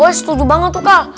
gue setuju banget tuh kak